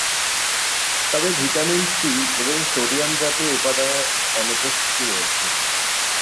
তবে, vitamin C এবং সোডিয়ামজাতীয় উপাদানের অনুপস্থিতি রয়েছে।